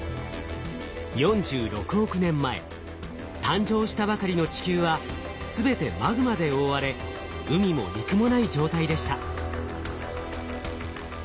誕生したばかりの地球は全てマグマで覆われ海も陸もない状態でした。